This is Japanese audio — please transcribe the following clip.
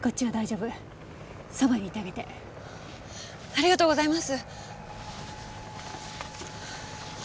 ありがとうございます。